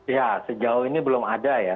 ya sejauh ini belum ada ya